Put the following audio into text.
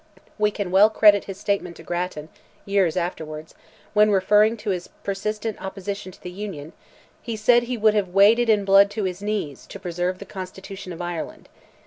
We can well credit his statement to Grattan, years afterwards, when referring to his persistent opposition to the Union, he said, he would "have waded in blood to his knees," to preserve the Constitution of Ireland.